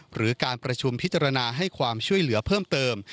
หรือการประชุมพิจารณาให้ความช่วยเหลือเพิ่มเติม